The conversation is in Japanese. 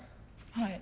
はい。